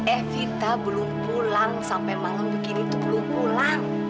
evita belum pulang sampai malam begini tuh belum pulang